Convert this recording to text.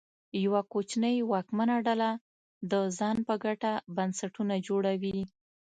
یوه کوچنۍ واکمنه ډله د ځان په ګټه بنسټونه جوړوي.